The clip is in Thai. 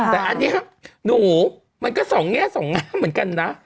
แต่อันนี้ครับหนูมันก็สองแง่สองงามเหมือนกันนะ